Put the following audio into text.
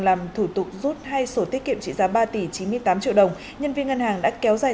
làm thủ tục rút hai sổ tiết kiệm trị giá ba tỷ chín mươi tám triệu đồng nhân viên ngân hàng đã kéo dài